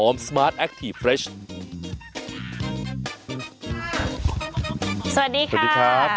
มาค่ะวันนี้วันศุกร์